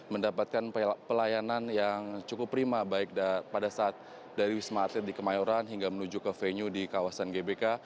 mendapatkan pelayanan yang cukup prima baik pada saat dari wisma atlet di kemayoran hingga menuju ke venue di kawasan gbk